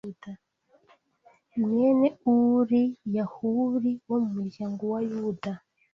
mwene Uri, ya Huri, wo mu muryango wa Yuda